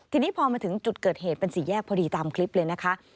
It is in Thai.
ทีนี้พอมาถึงจุดเกิดเหตุเป็นสี่แยกพอดีตามคลิปเลยนะคะ